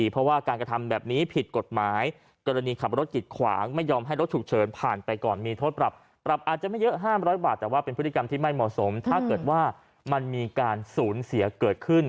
พฤติกรรมที่ไม่เหมาะสมถ้าเกิดว่ามันมีการศูนย์เสียเกิดขึ้น